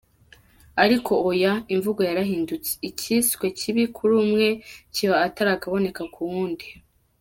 Ariko oya, imvugo yarahindutse, icyiswe kibi kuri umwe kiba akataraboneka ku wundi.”